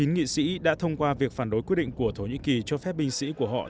một trăm tám mươi chín nghị sĩ đã thông qua việc phản đối quyết định của thổ nhĩ kỳ cho phép binh sĩ của họ